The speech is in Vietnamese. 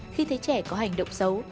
khi thấy trẻ có hành động xấu